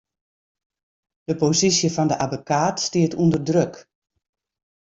De posysje fan 'e abbekaat stiet ûnder druk.